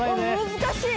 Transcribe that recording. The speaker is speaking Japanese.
難しい！